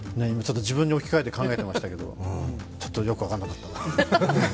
自分に置き換えて考えていましたけれども、ちょっとよく分かんなかったです